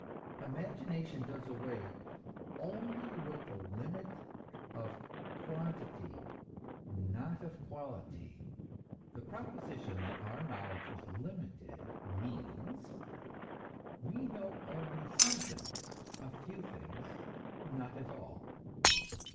Imagination does away only with the limit of quantity, not of quality. The proposition that our knowledge is limited, means : we know only some things, a few things, not all.